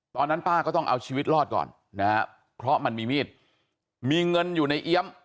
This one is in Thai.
ตอนนั้นป้าก็ต้องเอาชีวิตรอดก่อนนะครับเพราะมันมีมีดมีเงินอยู่ในเอี๊ยม